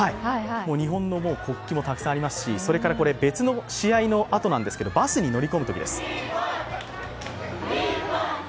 日本の国旗もたくさんありますしこれ、別の試合のあと、バスに乗り込む時です。